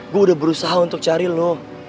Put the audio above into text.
gue berusaha untuk cari lo